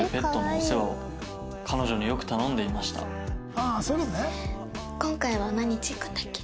ああそういう事ね。